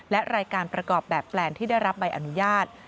และรายการประกอบแบบแปลนที่ได้รับใบอนุญาต